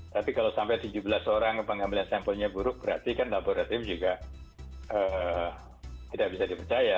tapi kalau sampai tujuh belas orang pengambilan sampelnya buruk berarti kan laboratorium juga tidak bisa dipercaya